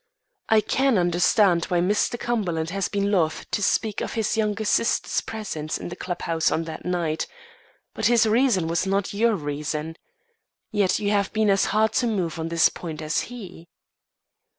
I can understand why Mr. Cumberland has been loth to speak of his younger sister's presence in the club house on that night; but his reason was not your reason. Yet you have been as hard to move on this point as he."